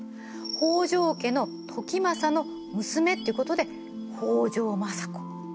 北条家の時政の娘っていうことで北条政子。